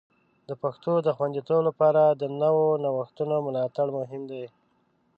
د پښتو د خوندیتوب لپاره د نوو نوښتونو ملاتړ مهم دی.